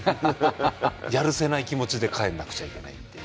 やるせない気持ちで帰らなくちゃいけないという。